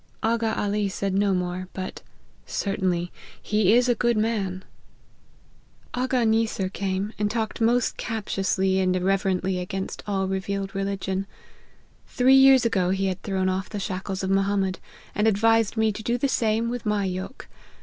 Aga Ali said no more but * Certainly he is a good man !'" 11 Aga Neeser came, and talked most captiously and irrelevantly against all revealed religion. Three years ago, he had thrown off the shackles of Mo hammed, and advised me to do the same with my yoke.